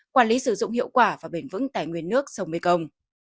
quản lý sử dụng hiệu quả và bền vững tài nguyên nước sông mê công